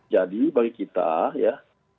jadi bagi kita ya